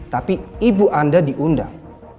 tapi ibu anda diundang